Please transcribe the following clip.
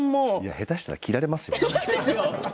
下手したら切られますよ。